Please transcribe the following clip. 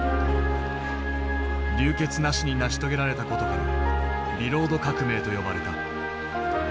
流血なしに成し遂げられた事からビロード革命と呼ばれた。